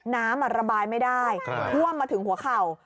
น้ำระบายไม่ได้ท่วมมาถึงหัวเข่า